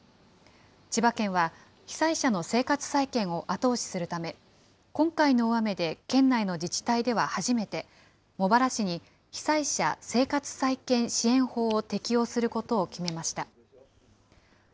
千葉県は、被災者の生活再建を後押しするため、今回の大雨で県内の自治体では初めて、茂原市に被災者生活再建支援法を適用することを決めました。